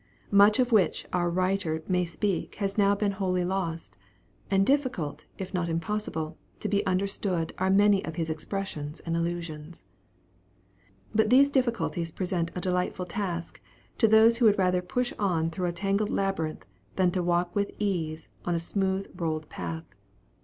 Much of which our writer may speak has now been wholly lost; and difficult, if not impossible, to be understood are many of his expressions and allusions. But these difficulties present a "delightful task" to those who would rather push on through a tangled labyrinth, than to walk with ease in a smooth rolled path.